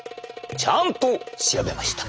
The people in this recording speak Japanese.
ちゃんと調べました。